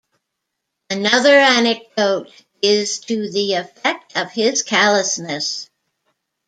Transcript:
Another anecdote is to the effect of his callousness.